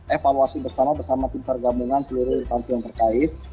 evaluasi bersama bersama tim sargabungan seluruh instansi yang terkait